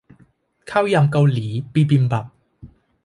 ข้าวยำเกาหลี บิบิมบับ